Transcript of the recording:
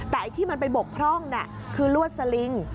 แต่ไอ้ที่มันไปบกพร่องคือลวดสลิง